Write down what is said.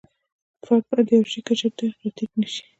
فرد باید د یوه شي کچې ته را ټیټ نشي.